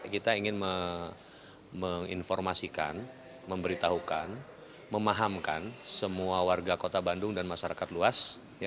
kita ingin menginformasikan memberitahukan memahamkan semua warga kota bandung dan masyarakat luas